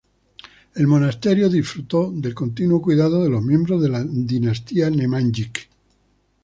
El monasterio disfrutó del continuo cuidado de los miembros de la dinastía Nemanjić.